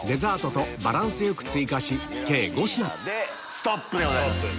ストップでございます。